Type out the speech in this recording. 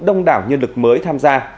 đông đảo nhân lực mới tham gia